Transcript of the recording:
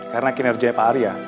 karena kinerja pak arya